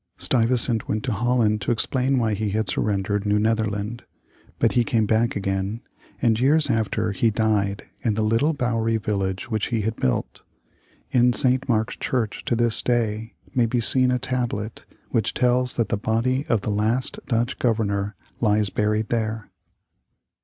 Stuyvesant went to Holland to explain why he had surrendered New Netherland. But he came back again, and years after he died in the little Bouwerie Village which he had built. In St. Mark's Church to this day may be seen a tablet which tells that the body of the last Dutch Governor lies buried there.